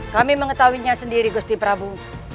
kami mengetahuinya sendiri gusti prabu